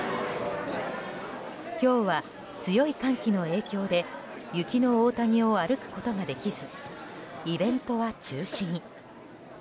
今日は、強い寒気の影響で雪の大谷を歩くことはできずイベントは、中止に。